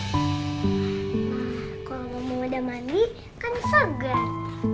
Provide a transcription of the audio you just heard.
mah kalau mama udah mandi kan segar